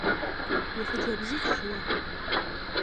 УхъыджэбзыфӀщ уэ!